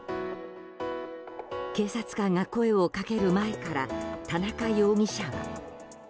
警察官が声をかける前から田中容疑者は。